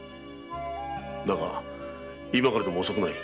だが今からでも遅くない。